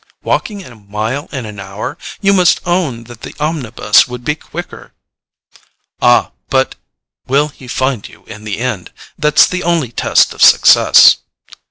"Walking a mile in an hour—you must own that the omnibus would be quicker!" "Ah—but will he find you in the end? That's the only test of success."